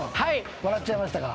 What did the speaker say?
笑っちゃいましたか？